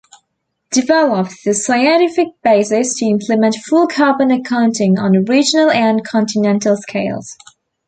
Develop the scientific basis to implement full carbon accounting on regional and continental scales.